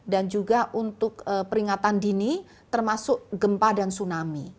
dan juga untuk peringatan dini termasuk gempa dan tsunami